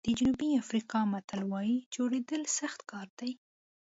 د جنوبي افریقا متل وایي جوړېدل سخت کار دی.